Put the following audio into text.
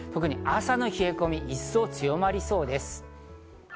特に朝の冷え込み、一層強まりそうです。